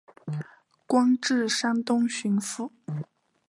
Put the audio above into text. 官至山东巡抚。